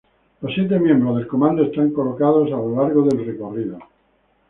Los siete miembros del comando están colocados a lo largo del recorrido.